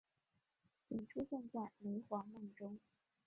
仅出现在雷凰梦中。